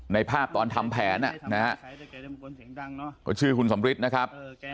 ในภาพตอนทำแผนนะฮะเขาชื่อคุณสำริทนะครับ